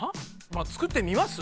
まあ作ってみます？